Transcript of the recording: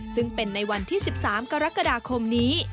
ซึ่งเป็นในวันที่๑๓กรกฎาคมนี้